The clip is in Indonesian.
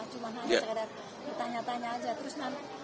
cuman hanya sekadar bertanya tanya aja